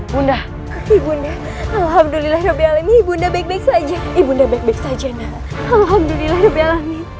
bunda bunda alhamdulillahirobbilalamin bunda baik baik saja bunda baik baik saja alhamdulillah